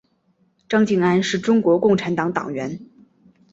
张敬安是中国共产党党员。